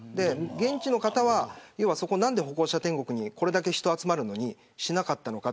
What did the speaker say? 現地の方は何で歩行者天国にこれだけ人が集まるのにしなかったのか。